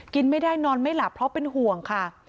กินไม่ได้นอนไม่หลับเพราะเป็นห่วงค่ะ